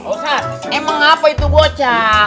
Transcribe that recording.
ustadz emang apa itu bocah